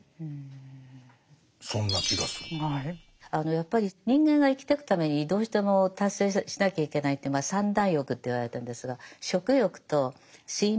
やっぱり人間が生きてくためにどうしても達成しなきゃいけないってまあ三大欲といわれてるんですが食欲と睡眠欲と性欲なんですね。